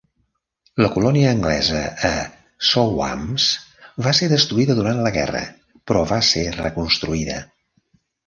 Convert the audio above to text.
La colònia anglesa a Sowams va ser destruïda durant la guerra, però va ser reconstruïda.